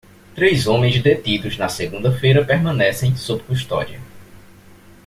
Três homens detidos na segunda-feira permanecem sob custódia.